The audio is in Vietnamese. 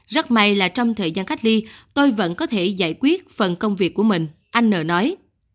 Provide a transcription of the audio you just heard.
rất may là trong thời gian cách ly tôi vẫn có thể giải quyết phần công việc của mình anh n nói